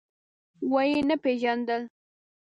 ويې نه پيژاندل.